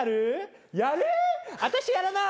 私やらない！